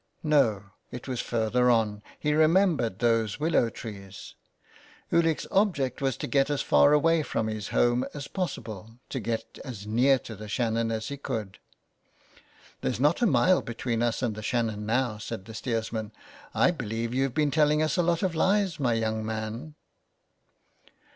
No, it was further on, he remembered those willow trees. Ulick's object was to get as far away from his home as possible ; to get as near to the Shannon as he could. '' There's not a mile between us and the Shannon now," said the steersman. " I believe you've been telling us a lot of lies, my young man."